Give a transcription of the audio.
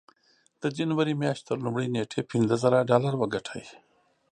د جنوري مياشتې تر لومړۍ نېټې پينځه زره ډالر وګټئ.